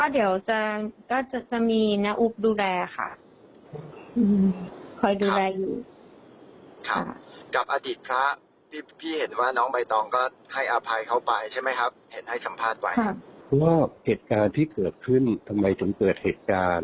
ด้วยเหตุการณ์ที่เกิดขึ้นทำไมถึงเกิดเหตุการณ์